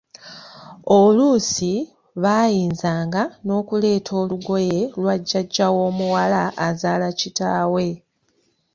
Oluusi baayinzanga n’okuleeta olugoye lwa Jjajja w’omuwala azaala kitaawe.